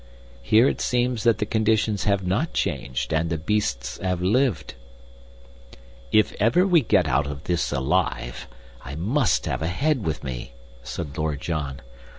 Here it seems that the conditions have not changed, and the beasts have lived." "If ever we get out of this alive, I must have a head with me," said Lord John.